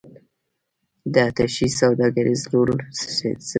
د اتشې سوداګریز رول څه دی؟